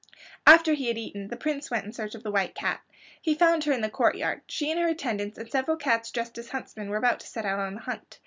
After he had eaten, the Prince went in search of the White Cat. He found her in the courtyard. She and her attendants and several cats dressed as huntsmen were about to set out on a hunt.